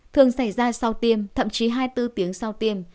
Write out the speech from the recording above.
thường xảy ra sau tiêm thậm chí hai mươi bốn tiếng sau tiêm